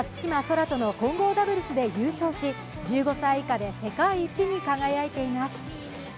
空との混合ダブルスで優勝し、１５歳以下で世界一に輝いています。